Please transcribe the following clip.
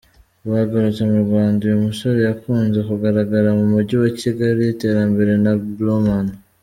Bagarutse mu Rwanda, uyu musore yakunze kugaragara mu Mujyi wa Kigali atemberana na Blauman.